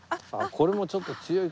これもちょっと強いかな。